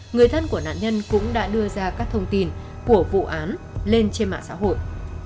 người thân của nạn nhân cũng đã đưa ra các thông tin của vụ án lên trên mạng xã hội